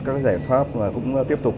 các giải pháp và cũng tiếp tục